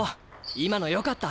今のよかった。